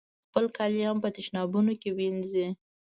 خپل کالي هم په تشنابونو کې وینځي.